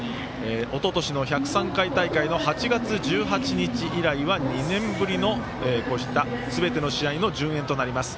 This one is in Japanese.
おととしの１０３回大会の８月１８日以来は２年ぶりのすべての試合の順延となります。